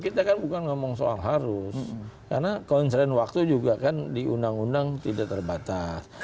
kita kan bukan ngomong soal harus karena konserin waktu juga kan di undang undang tidak terbatas